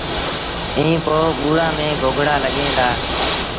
ائيٚݩ پو ٻُوڙآݩ ميݩ گوگڙآ لڳيٚن دآ